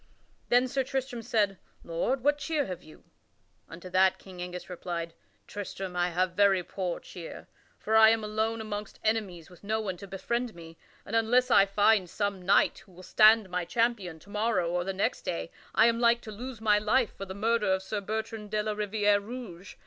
Then Sir Tristram said, "Lord, what cheer have you?" Unto that King Angus replied: "Tristram, I have very poor cheer; for I am alone amongst enemies with no one to befriend me, and unless I find some knight who will stand my champion to morrow or the next day I am like to lose my life for the murder of Sir Bertrand de la Riviere Rouge.